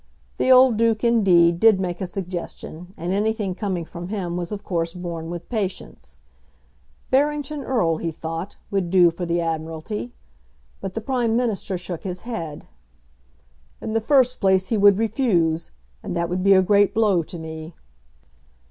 The old Duke, indeed, did make a suggestion, and anything coming from him was of course borne with patience. Barrington Erle, he thought, would do for the Admiralty. But the Prime Minister shook his head. "In the first place he would refuse, and that would be a great blow to me."